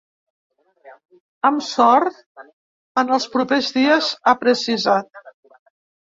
“Amb sort, en els propers dies”, ha precisat.